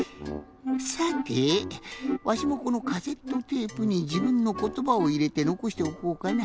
さてわしもこのカセットテープにじぶんのことばをいれてのこしておこうかな。